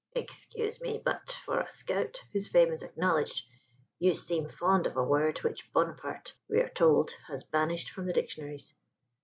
"Excuse me, but for a scout whose fame is acknowledged, you seem fond of a word which Bonaparte (we are told) has banished from the dictionaries.